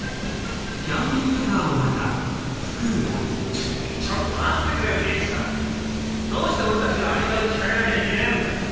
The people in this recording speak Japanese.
ちょちょっと待ってくれよ刑事さんどうして俺達がアリバイを聞かれなきゃいけねえんだ！？